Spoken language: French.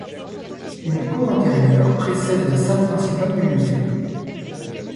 Une cour intérieure précède la salle principale du musée.